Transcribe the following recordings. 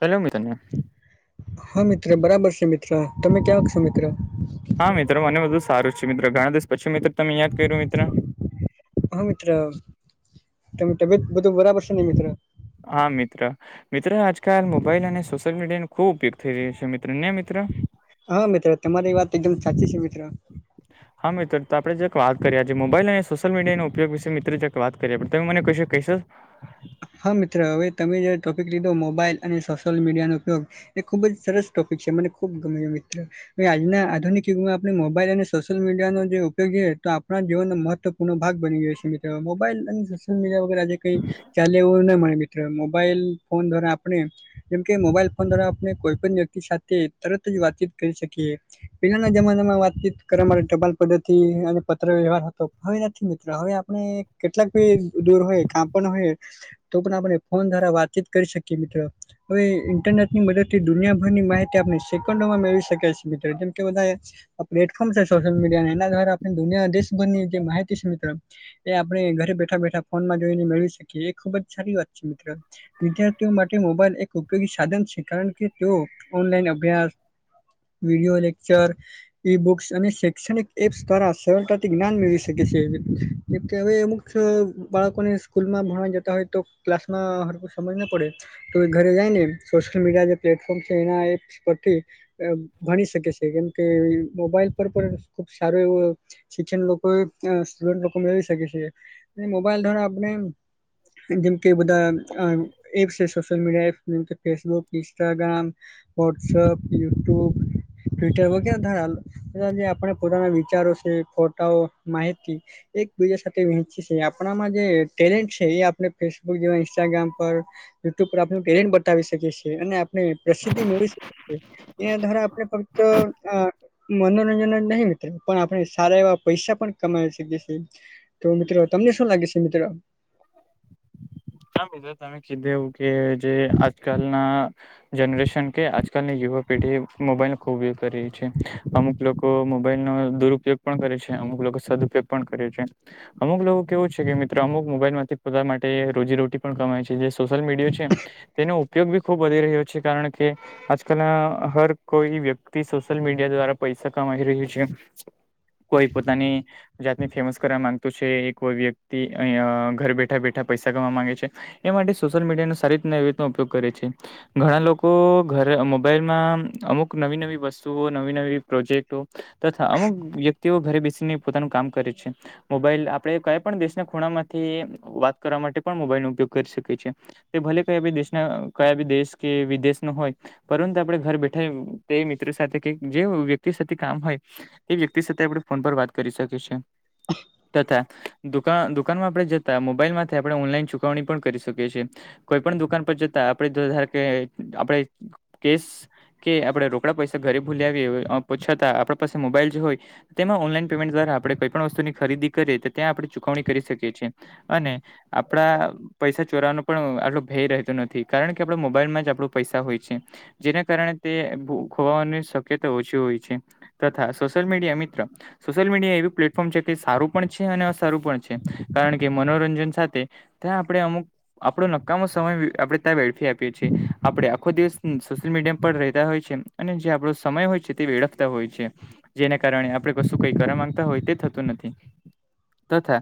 Hello મિત્રો. હા મિત્ર બરાબર છે મિત્ર તમે કેવાક છો મિત્ર. હા મિત્ર મને બધુ સારું છે મિત્ર ઘણા દિવસ પછી મિત્ર તમે યાદ કર્યું મિત્ર હા મિત્ર તમે તબિયત બધું બરાબર છેને મિત્ર. હા મિત્ર મિત્ર આજકાલ મોબાઈલ અને સોશિયલ મીડિયા નો ખુબ ઉપયોગ થઈ રહ્યો છે મિત્ર ને મિત્ર. હા મિત્ર તમારી વાત એકદમ સાચી છે મિત્ર. [inaudible] હા મિત્ર તો આપડે જેક વાત કરીએ છે મોબાઈલ અને સોશિયલ મીડિયાનો ઉપયોગ વિશે મિત્ર જરાક વાત કરીએ પણ તમે મને કશું કેશો. [inaudible] હા મિત્ર હવે તમે જે ટોપિક લીધો મોબાઈલ અને સોશિયલ મીડિયાનો ઉપયોગ એ ખુબ જ સરસ ટોપિક છે મને ખુબ ગમ્યો મિત્ર. હવે આજના આધુિનીકયુગમાં આપણે મોબાઈલ અને સોશિયલ મીડિયાનો જે ઉપયોગ છે તો આપણા જીવનનો મહત્વ નો ભાગ બની ગયો છે મિત્ર મોબાઈલ અને સોશિયલ મડિયા વગર આજે કઈ ચાલે એવુંના મળે મિત્રો મોબાઈલ ફોન દ્વારા આપણે જેમકે મોબાઈલ ફોન દ્વારા આપણે કોઈ પણ વ્યક્તિ સાથે તરત જ કરી શકીએ. પેલાના જમાનામાં વાતચીત કરવા માટે ટપાલ પદ્ધતિ અને પત્ર વ્યવહાર હતો હવે નથી મિત્ર હવે આપણે કેટલાક ભી દૂર હોય કાંપણ હોય તો પણ આપણે ફોન દ્વારા વાતચીત શકીએ મિત્ર હવે ઇન્ટરનેટની મદદ થી દુનિયાભરની માહિતી આપણે સેકન્ડોમાં મેળવી શકે છે મિત્રો જેમ કે વધારે આ પ્લેટફોર્મ છે સોશિયલ મીડિયા એના દ્વારા આપણે દુનિયા દેશભરની જે માહિતી છે મિત્ર એ આપડે ઘરે બેઠા બેઠા ફોનમાં જોઈને મેળવી શકીએ એ ખુબજ સારી વાત છે મિત્ર. વિદ્યાર્થીઓ માટે મોબાઈલ એક ઉપયોગી સાધન છે કારણ કે તેઓ ઓનલાઈન અભ્યાસ વિડીયો લેક્ચર ઈ બુક્સ અને શૈક્ષણિક એપ્સ દ્વારા સરળતાથી જ્ઞાન મેળવી શકે છે. જેમકે હવે અમુક બાળકોને સ્કૂલમાં ભણવા જ તા હોય તો ક્લાસમાં સરખુ હમજ ના પડે તો એ ઘરે જાય ને સોશિયલ મીડિયા જે પ્લેટફોર્મ છે એના એપ્સ પરથી ભણી શકે છે કેમ કે મોબાઈલ પર પણ ખુબ સારું એવું શિક્ષણ લોકો સ્ટુડન્ટ લોકો મેળવી શકે છે. મોબાઈલ દ્વારા આપણે જેમ કે બધા એપ્સ છે. સોશયલ મીડિયા એપ્ જેમ કે Facebook Instagram WhatsApp YouTube Twitter વગેરે ધારા એના જે આપણે પોતાના વિચારો છે. ફોટાઓ માહિતી એકબીજા સાથે વહેંચી છે. આપણામાં જે ટેલેન્ટ છે. એ આપણે ફેસબુક જેવા ઇન્સ્ટાગ્રામ પર યુટ્યુબ પર આપનું ટેલેન્ટ બતાવી શકીએ છીએ અને આપણે પ્રસિદ્ધિ મેળવી શકીયે એના દ્વારા આપણે ફક્ત મનોરંજન જ નહીં મિત્ર પણ આપણે સારા એવા પૈસા પણ કમાય શકી છે. તો મિત્રો તમને શું લાગે છે મિત્ર? જે તમે કીધુ એવું કે જે આજકાલના જનરેશન કે આજકાલની યુવા પેઢીએ મોબાઈલ ખૂબ ગ કરી રહી છે અમુક લોકો મોબાઈલ નો દુરુપયોગ પણ કરે છે. અમુક લોકો સદઉપયોગ પણ કરે છે. અમુક લોકો કેવું છે કે મિત્ર અમુક મોબાઈલ માંથી પોતા માટે રોજી રટી પણ કમાય છે. જે સોશિયલ મીડિયા છે. તેનો ઉપયોગ બી ખૂબ વધી રહ્યો છે. કારણ કે આજકાલના હર કોઈ વ્યક્તિ સોશિયલ મીડિયા દ્વારા પૈસા કમાઈ રહી છે. કોઈ પોતાની જાતની ફેમસ કરવા માંગતુ છે. એ કોઈ વ્યક્તિ અય ઘર બેઠા બેઠા પૈસા કવા માંગે છે. એ માટે સોશિયલ મીડિયાનો સારી રીતના એવી રીતનો ઉપયોગ કરે છે. ઘણા લોકો ઘરે મોબાઈલમાં અમુક નવી નવી વસ્તુ તો નવી નવી પ્રોજેક્ટો તથા અમુક વ્યક્તિઓ ઘરે બેસીને પોતાનું કામ કરે છે. મોબાઈલ આપણે કયાઈ પણ દેશના ખૂણામાં થી વાત કરવા માટે પણ મોબાઈલનો ઉપયોગ કરી શકે છે તે ભલે કઈ ભી દેશના કયા બી દેશ કે વિદેશ નો હોય. પરંતુ આપણે ઘર બેઠા તે મિત્ર સાથે કે જે વ્યક્તિ સાથે કામ હોય તે વ્યક્તિ સાથે આપણે ફોન પર વાત કરી શકીએ છે. તથા દુકાન દુ કાનમા આપણે જતા અમુ મોબાઈલમાંથી આપણે ઓનલાઈન ચુકવણી પણ કરી શકીએ છીએ. કોઈ પણ દુકાન પર જતા આપડે [unintelligible] આપણે કેસ કે આપણે રો કડા પૈસા ઘરે ભૂલી્યા આવી પછતા આપણા પાસે મોબાઈલ જે હોય તેમાં ઓનલાઈન પેમેન્ટ દ્વારા આપણે કોઈ પણ વસ્તુની ખરીદી કરીએ તો ત્યા આપણે ચૂકવણી કરી શકીએ. છે અને આપડા પૈસા ચોરાવાનો પણ આટલો ભેય રહેતો ન થી કારણ કે આપડા મોબાઈલ માં જ આપડા પૈસા હોય છે. જેના કારણે તે ભુ ખોવાવાની શક્યતા ઓછી હોય છે. તથા સોશિયલ મીડિયા મિત્ર સોશિયલ મીડિયા એવું પ્લેટફોર્મ છે. કે સારું પણ છે અને અસારું પણ છે. કારણ કે મનોરંજન સાથે ત્યાં આપડે અમુક આપડો નક્કામો સમય આપણે ત્યાં વડફી આપીએ છીએ આપણે આખો દિવસ સોશિયલ મીડિયા પર રહેતા હોય છે. અને જે આપણો સમય હોય છે. તે વેળફતા હોય છે. જેના કારણે આપ ડે કશું કઈ કરવા માંગતા હોય તે થતું નથી તથા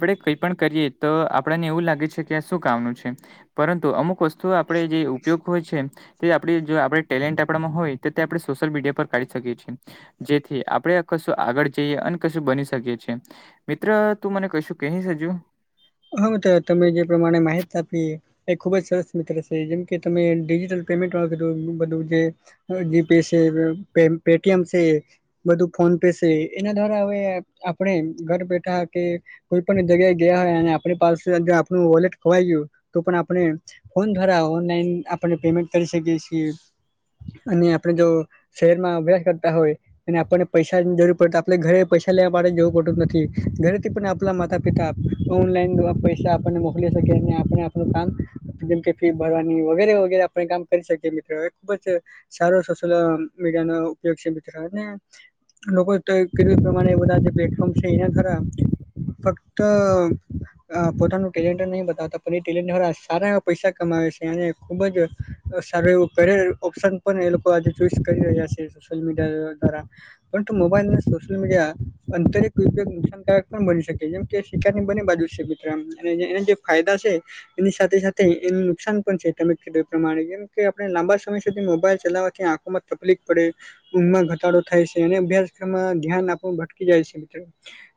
આપડે કઈ પણ કરીએ તો આપણને એવું લાગે છે. કે આ શું કામનું છે. પરંતુ અમુક વસ્તુ આપણેે જે ઉપયોગ હોય છે. તે આપડે જો આપણે ટેલેન્ટ આપણામાં હોય તો તે આપણે સોશિયલ મીડિયા પર કાઢી શકીએ છીએ. જેથી આપણેે કશું આગળ જઈએ અને કશું બની શકી છીએ. મિત્ર તું મને કહીશું કહી સજુ હા તો તમે જે પ્રમાણે માહિતી આપી એ ખુબ જ સરસ મિત્ર છે. જેમ કે તમે ડિજિટલ પેમેન્ટ વા કીધું બધું જે digital pay Paytm છે. બધું ફોન પે છે. એના દ્વારા હવે આપણે ઘર બેઠા કે કોઈ પણ જગ્યાએ ગયા હોય અને આપણી પાસે આપણું વોલેટ ખોવાઈ ગયું, તો પણ આપણે ફોન દ્વારા ઓનલાઈન આપણે પેમેન્ટ કરી શકીએ છીએ, અને આપણે જો શહેર માં અભ્યાસ કરતા હોય અને આપણને પૈસાની જરૂર પડ આપે ઘરે પૈસા લેવા માટે જવું પડતું નથી. ઘરેથી પણ આપલા માતા પિતા ઓનલાઈન પૈસા આપણને મોકલે શકે. અને આપણે કામ જેમકે ફી ભરવાની વગેરે વગેરે આપણે કામ કરી શકી મિત્રો એ ખુબ જ સારો સોશિલ મીડિયા નો ઉપયોગ છે મિત્રો. લોકો તો કેું પ્રમાણે બધા જે પ્લેટફોર્મ છે એના ખરા ફક્ત અ પોતાનું ટેલેન્ટ નહી બતાવતા પણ એ ટેલેન્ટ વાળ સારા એવા પૈસા કમાવે છે અને ખૂબ જ સારું એવું કરે ઓપ્શન પણ એ લોકો આજે ચોઈસ કરી રહ્યા છે, સોશિયલ મીડિયા દ્વારા પરંતુ મોબાઈલ અનેને સોશિલ મીડિયા અંતરિક્ નુકસાનકારક પણ બની શકે જેમ કે શિકારની બની બાજુ છે મિત્ર અને એના જે ફાયદા છે. એની સાથે સાથે એને નુકસાન પણ છે તમે કીધું એ પ્રમાણે કેમ કે આપણે લાંબા સમય સુધી મોબાઈલ ચલાવવાથી આંખોમાં તકલીફ પડે ઊંઘમાં ઘટાડો થાય છે, અને અભ્યાસક્રમમાં ધ્યાન આપણ ભટકી જાય છે. તો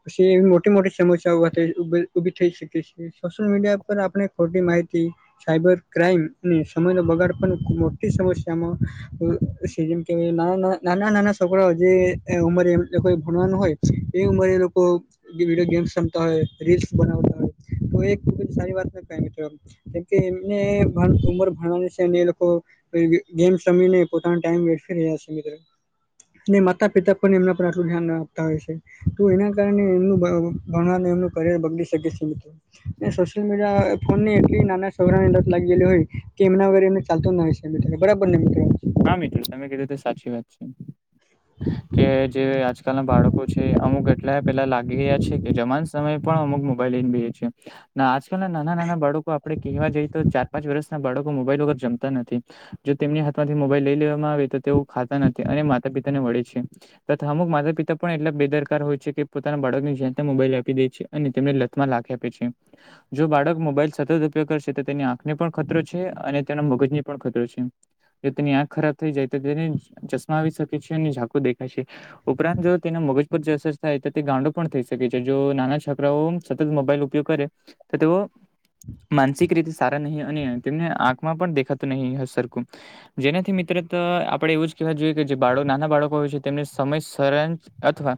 પછી એવી મોટી મોટી સમસ્યા ઓ પનઉભા થ ઉભી થઈ શકેી છે, સોશિયલ મીડિયા પર આપણે ખોટી માહિતી સાયબર ક્રાઈમ અને સમય નો બગાડ પણ મોટી સમસ્યામાં જેમ કેવાય નાના નાના છોકરાઓ જે ઉંમરે એમઈ ભણવાનું હોય. એ ઉંમરે એ લોકો વિડીયો ગેમ્સ રમતા હોય રીલ્સ બનાવતા હોય. તો એક સારી વાત છે મિત્રો. કેમકે એમને પણ ઉંમર ભણવાની છે અને એ લોકો ગેમ રમીને પોતાનો ટાઈમ વેસ્ટ કરી રહ્યા છે મિત્ર. ને માતા પિતા પણને એમના પણ આટલું ધ્યાન ન આપતા હોય છે. તું એના કારણે એમનું ભણવાને એમનું કરિયર બગડી શકે છે મિત્રો. સોશિયલ મીડિયા ફોન ની એટલી નાના ઉંમર થી લત લાગીયેલી હોય કે એમના વગર એને ચાલતું ન હોય. મિત્ર બરાબર ને મિત્રો. હા મિત્રો તમે કીધું તે રીતે સાચી વાત છે. કે જે આજકાલ ના બાળકો છે, અમુક એટલા પેલા લાગી ગયા છે. તે જમવાના સમયે પણ અમુક મોબાઈલ લઈને બે છીએ. ના આજકાલ ના નાના નાના બાળકો આપડે કહેવા જઈએ તો ચાર પાંચ વર્ષ બાળકો મોબાઈલ વગર જમતા નથી જો તેમની હાથમાંથી મોબાઈલ લઈ લેવામાં આવે તો તેઓ ખાતા નથી અને માતા પિતા ને વળે છે. તથા અમુક માતા પિતા પણ એટલા બેદરકાર હોય છે કે પોતાના બાળકને જેમ તેમ મોબાઈલ આપી દે છે. અને તેમને લથમાં લાખી આપે છે. જો બાળક મોબાઈલ સતત ઉપયોગ કરશે તો તેની આંખને પણ ખતરો છે અને તેનો મગજની પણ ખતરો છે. જો તેની આંખ ખરાબ થઈ જાય તો તેને ચશ્મા આવી શકે છે અને ઝાકું દેખાય છે. ઉપરાંત જો તેના મોગજ પર જે અસર થાય તો તે ગાંડો પણ થઈ શકે છે, જો નાના છોકરાઓ સતત મોબાઈલ ઉપયોગ કરે તો તેઓ માનસિક રીતે સારા નહીં અને તેમને આંખમાં પણ દેખાતું નહીં હ સરખું. જેનાથી મિત્ર તો આપડે એવું જ કહેવા જોઈએ કે જે બાળો નાના બાળકો હોય છે. તેમને સમય સરજ અથવા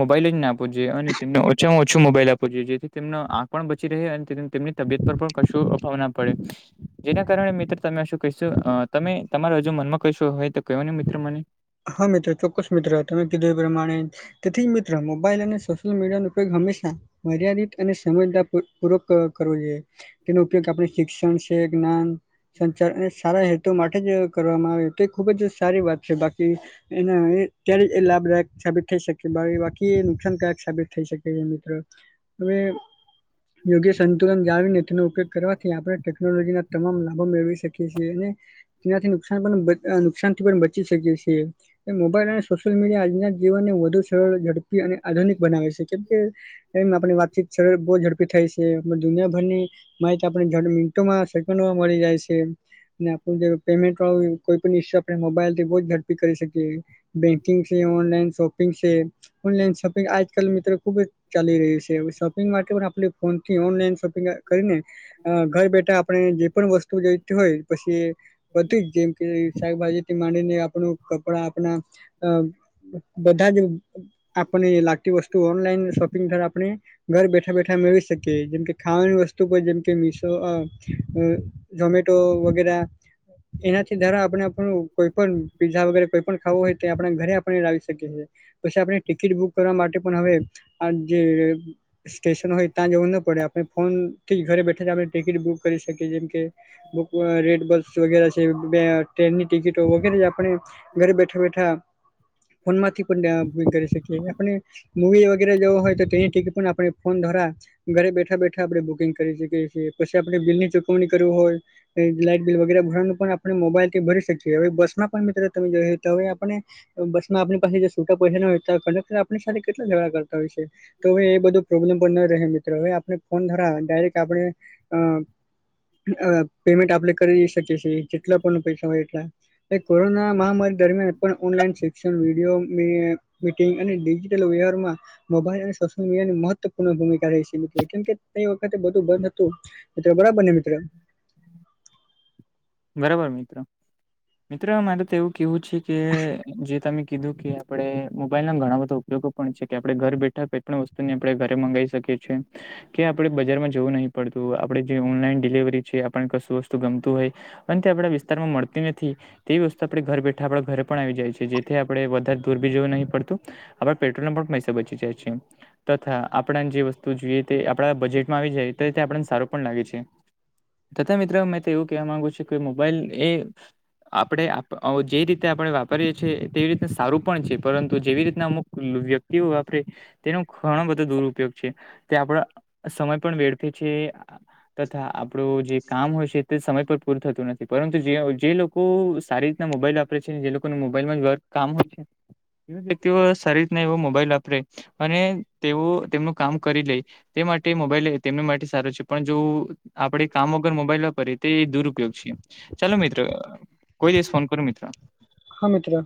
મોબાઈલ જ ના આપવો જોઈએ અને તેમને ઓછામાં ઓછું મોબાઈલ આપવો જોઈએ. જેથી તેમનો આંખ પણ બચી રહે અને તેમની તેમની તબિયત પર પણ કશો અભાવ ના પડે. જેના કારણે મિત્ર તમે શું કહીશો તમે તમારો હજુ મનમાં કશો હોય તો કોને મિત્ર મને. હા મિત્ર ચોક્કસ મિત્ર તમે કીધું એ પ્રમાણે તેથી જ મિત્ર મોબાઈલ અને સોશિયલ મીડિયા ન ઉપયોગ હંમેશા મર્યાદિત અને સમજતા પૂર્વક પૂર્વક કરવો જોઈએ. તેનો ઉપયોગ આપણે શિક્ષણ છે જ્ઞાન સંચાર ને સારા હેતુ માટે જ કરવામાં આવે તો એ ખુબ જ સારી વાત છે બાકી એના એ ત્યારે લાભદાયક સાબિત થઈ શકે [unintelligible] બાકી એ નુકસાનકારક સાબિત થઈ શકે છે મિત્ર. હવે યોગ્ય સંતુલન જાળવીને તેનો ઉપયોગ કરવાથી આપણે ટેક્નોલોજીના તમામ લાભો મેળવી શકીએ છીએ અને તેનાથી નુકસાન પણ [unintelligible] નુકસાન થી પણ બચી શકીએ છીએ. એ મોબાઈલ અને સોશિયલ મીડિયા આજના જીવનને વધુ સરળ ઝડપી અને આધુનિક બનાવે છે. કેમ કે એમ આપણી વાતચીત બહુ ઝડપી થાય દુનિયાભરની માહિત આપને [unintelligible] મિનીટોમાં સેકન્ડોમાં મળી જાય છે. ને આપણું જે પેમેન્ટ વાળું કોઈ પણ ઈ આપણે મોબાઈલ કે [unintelligible] કરી શકીએ બેંકિંગ છે, ઓનલાઈન શોપિંગ છે. ઓનલાઈન શોપિંગ આજકાલ મિત્ર ખૂબ જ ચાલી રહ્યું છે શોપિંગ માર્કેટ પણ આપણે ફોન થી ઓનલાઈન શોપિંગ કરીને. ઘર બેઠા આપણે જે પણ વસ્તુ જોઈતી હોય પછી બધુ જ જેમ કે શાકભાજી થી માંડીને આપણું કપડા આપણા અ હ બધા જ આપને લાગતી વસ્તુ ઓનલાઈન શોપિંગ થી આપણે ઘર બેઠા બેઠા મેળવી શકે જેમકે ખાવાની વસ્તુ કોઈ જેમકે મીશો અ અ ઝોમેટો વગેરે એનાથી ધરે આપણે આપણું કોઈ પણ પીઝા વગેરે કોઈ પણ ખાવું હોય તે આપણા ઘરે આપણે લાવી શકીએ છીએ. પછી આપણે ટિકિટ બુક કરવા માટે પણ હવે આ જે સ્ટેશન હોય. ત્યાં જવું ના પડે આપણે ફોન થી જ ઘરે બેઠા જ આપણે ટિકિટ બુક કરી શકીએ જેમ કે બુક અ રેડ બસ વગેરે છે ટ્રેનની ટિકિટો વગેરે આપણે ઘરે બેઠા બેઠા ફોન માંથી પણ અ બુક કરી શકીએ આપણે મૂવી વગેરે જેવો હોય તો તેની ટીકીટ પણ આપણે ફોન દ્વારા ઘરે બેઠા બેઠા આપણે બુકિંગ કરી શકીએ છીએ પછી આપણે બિલની ચૂકવણી કરવી હોય. લાાઈટ બિલ વગેરે ભરવાનું પણ આપણે મોબાઈલ થી ભરી શકીએ હવે બસમાં પણ મિત્રો તમે જોઈ તો હવે આપણે બસમાં આપણી પાસે જે છૂટા પૈસા ના હોય ત્યાં કંડક્ટર આપણી સાથે કેટલા ઝગડા કર- [unintelligible] હોય છે તો હવે એ બધો પ્રોબ્લેમ પણ ન રહે મિત્રો હવે આપ- ફોન દ્વારા ડાયરેક્ટ આપણે અ પેમેન્ટ આપણે કરી શકીએ છીએ જેટલા પણ પૈસા હોય એટલા. એ કોરોના મહામારી દરમિયાન પણ ઓનલાઈન શિક્ષણ વિડીયો અને મિટિંગ અને ડિજિટલ વ્યવહારમાં મોબાઈલ અને સોશિયલ મિડીયાની મહત્વપૂર્ણ ભૂમિકા રહી છે કેમ કે તે વખતે બધુ બંધ હતું. મિત્ર બરાબર ને મિત્ર? હમ [unintelligible] બરાબર મિત્ર, મિત્ર મારે તો એવું કેવું છે કે જે તમે કીધું કે આપણે મોબાઈલ ના ઘણા બધા ઉપયોગો પણ છે કે આપણે ઘર બેઠા કોઈ પણ વસ્તુ આપણે ઘરે મંગાવી શકીએ છીએ કે આપણેે બજારમાં જવું નહી પડતું આપણે જે ઓનલાઈન ડિલિવરી છે આપણને કશું વસ્તુ ગમતું હોય પણ તે આપણા વિસ્તારમાં મળતી નથી તેવી વસ્તુ આપણે ઘર બેઠા આપણા ઘરે પણ આવી જાય છે જેથી આપણે વધારે દૂર બી જવું નહીં પડતું આપણે પેટ્રોલ ના પણ પૈસા બચી જાય છે. તથા આપણેને જે વસ્તુ જોઈએ તે આપણા બજેટમાં આવી જાય તો તે આપણને સારું પણ લાગે છે તથા મિત્ર મેં તો એવું કહેવા માંગુ છું કે મોબાઈલ એ આપણે આપ જે રીતે આપણે વાપરીએ છીએ તેવી રીતના સારું પણ છે પરંતુ જેવી રીતના અમુક વ્યક્તિ તેવો વાપરે તેનો ધણો બધો દુરુપયોગ છે તે આપડા સમય પણ વેડફે છે તથા આપણું જે કામ હોય છે તે સમય પર પૂરું થતું નથી પરંતુ જે જે લોકો સારી રીતના મોબાઈલ વાપરે છે જે લોકો ને મોબાઈલમાં વર્ક કામ હોય છે એ વ્યક્તિઓ સારી રીતના એવો મોબાઈલ વાપરે અને તેઓ તેમનું કામ કરી લે તે માટે મોબાઈલ તેમની માટે સારું છે પણ જો આપડે કામ વગર મોબાઈલ વાપરીએ તે દૂર ઉપયોગી છે ચાલો મિત્ર કોઈ દિવસ ફોન કરો મિત્ર હા મિત્રો